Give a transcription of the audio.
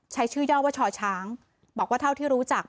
ใช้ชื่อย่อว่าช่อช้างบอกว่าเท่าที่รู้จัก